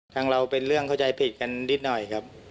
เราเป็นเรื่องเข้าใจผิดกันนิดหน่อยครับ